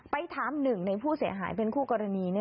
ถามหนึ่งในผู้เสียหายเป็นคู่กรณี